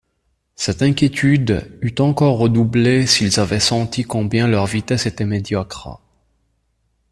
Cette inquiétude eût encore redoublé s’ils avaient senti combien leur vitesse était médiocre.